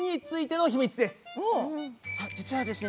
実はですね